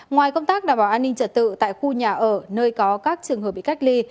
ngoài công tác đảm bảo an ninh trật tự tại khu nhà ở nơi có các trường hợp bị cách ly